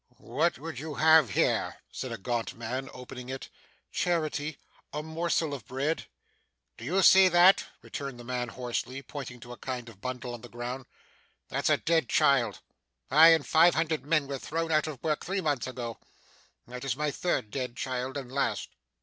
'What would you have here?' said a gaunt man, opening it. 'Charity. A morsel of bread.' 'Do you see that?' returned the man hoarsely, pointing to a kind of bundle on the ground. 'That's a dead child. I and five hundred other men were thrown out of work, three months ago. That is my third dead child, and last.